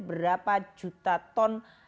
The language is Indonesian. berapa juta ton